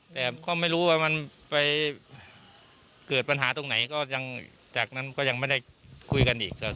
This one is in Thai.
แต่ก็ไม่รู้ว่ามันไปเกิดปัญหาตรงไหนก็ยังจากนั้นก็ยังไม่ได้คุยกันอีก